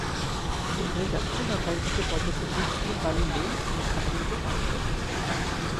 বোঝাই যাচ্ছে সরকারের কাছে পর্যাপ্ত ইট-সিমেন্ট-বালু নেই সেসব খানাখন্দ সংস্কারের জন্য।